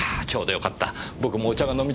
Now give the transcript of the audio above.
よかった！